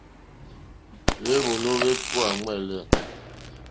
Hwéwòló hwékúwà ɱwɛ̂lɛ̂.